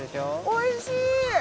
おいしい！